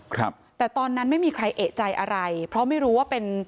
ครับแต่ตอนนั้นไม่มีใครเอกใจอะไรเพราะไม่รู้ว่าเป็น